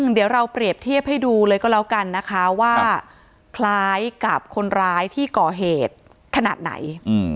เดี๋ยวเราเปรียบเทียบให้ดูเลยก็แล้วกันนะคะว่าคล้ายกับคนร้ายที่ก่อเหตุขนาดไหน